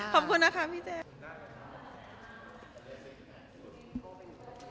ขอบคุณค่ะ